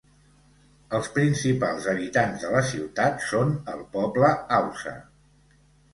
Els principals habitants de la ciutat són el poble hausa.